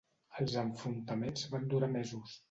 Els enfrontaments van durar mesos.